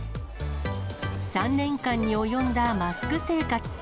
３年間に及んだマスク生活。